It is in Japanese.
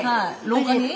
廊下に？